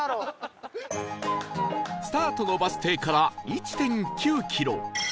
スタートのバス停から １．９ キロ